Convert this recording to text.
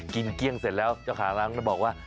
กินเคียงเสร็จแล้วเจ้าขาล้างจะบอกว่า